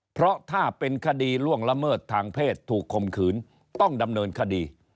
เพราะถ้าเป็นคดีล่วงละเมิดทางเพศถูกคมขืนต้องดำเนินคดี